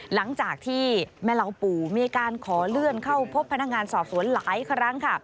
หลังจากที่แม่เหล่าปู่มีการขอเลื่อนเข้าพบพนักงานสอบสวนหลายครั้งค่ะ